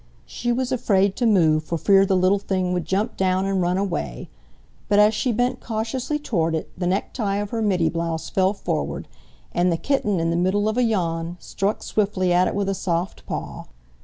She was afraid to move for fear the little thing would jump down and run away, but as she bent cautiously toward it the necktie of her middy blouse fell forward and the kitten in the middle of a yawn struck swiftly at it with a soft paw.